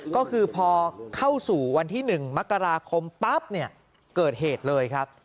ก็คือพอเข้าสู่วันที่๑มกราคมปั๊บเนี่ยเกิดเหตุเลยครับ